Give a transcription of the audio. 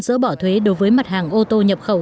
dỡ bỏ thuế đối với mặt hàng ô tô nhập khẩu